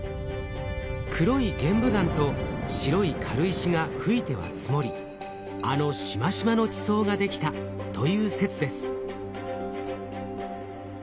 黒い玄武岩と白い軽石が噴いては積もりあのしましまの地層ができたという説です。